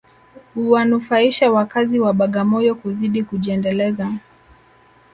Huwanufaisha wakazi wa Bagamoyo kuzidi kujiendeleza